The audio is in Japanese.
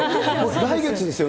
来月ですよね。